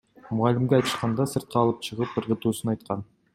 Мугалимге айтышканда, сыртка алып чыгып ыргытуусун айткан.